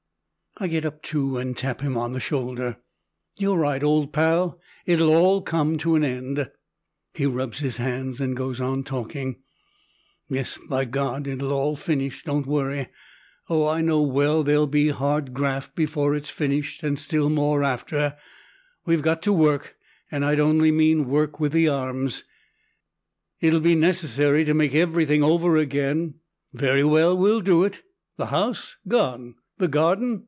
I get up too, and tap him on the shoulder. "You're right, old pal, it'll all come to an end." He rubs his hands and goes on talking. "Yes, by God! it'll all finish, don't worry. Oh, I know well there'll be hard graft before it's finished, and still more after. We've got to work, and I don't only mean work with the arms. "It'll be necessary to make everything over again. Very well, we'll do it. The house? Gone. The garden?